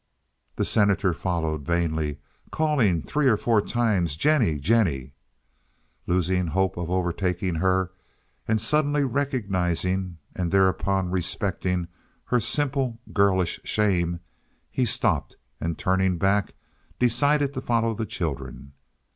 The Senator followed, vainly calling three or four times "Jennie! Jennie!" Losing hope of overtaking her, and suddenly recognizing, and thereupon respecting, her simple, girlish shame, he stopped, and turning back, decided to follow the children.